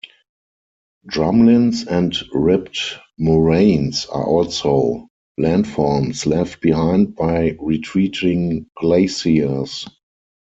Drumlins and ribbed moraines are also landforms left behind by retreating glaciers.